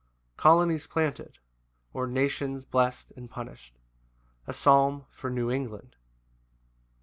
Colonies planted; or, Nations blest and punished. A psalm for New England.